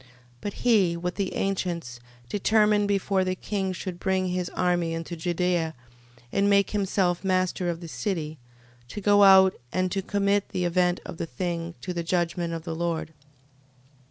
13:13. But he, with the ancients, determined before the king should bring his army into Judea, and make himself master of the city, to go out, and to commit the event of the thing to the judgment of the Lord.